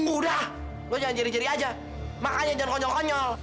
udah lu jangan jerry jerry aja makanya jangan konyol konyol